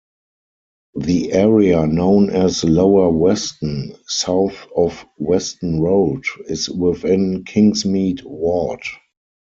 The area known as Lower Weston, south of Weston Road, is within Kingsmead ward.